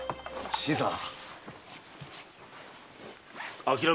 新さん。